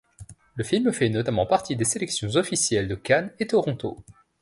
Le film fait notamment partie des sélections officielles de Cannes et Toronto.